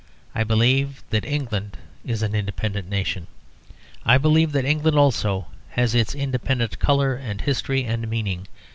I believe that England is an independent nation. I believe that England also has its independent colour and history, and meaning.